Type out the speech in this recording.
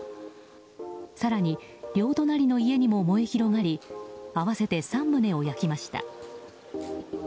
更に、両隣の家にも燃え広がり合わせて３棟を焼きました。